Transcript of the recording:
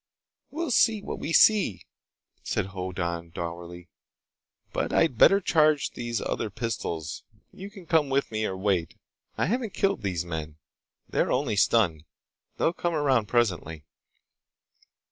"We'll see what we see," said Hoddan dourly. "But I'd better charge these other pistols. You can come with me, or wait. I haven't killed these men. They're only stunned. They'll come around presently."